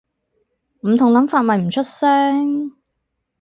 唔同諗法咪唔出聲